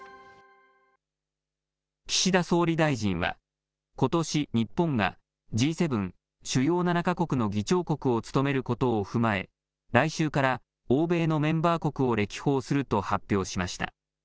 岸田総理大臣は、ことし日本がＧ７・主要７か国の議長国を務めることを踏まえ、来週から欧米のメンバー国を歴訪すると発表しました。